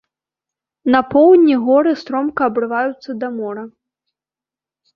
На поўдні горы стромка абрываюцца да мора.